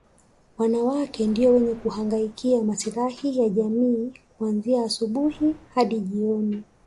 Wanawake ndio wenye kuhangaikia maslahi ya jamii kuanzia asubuhi hadi jioni